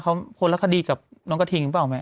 เขาพอละคดีกับน้องกระทิงเปล่าไหม